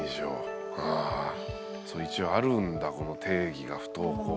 一応あるんだこの定義が不登校の。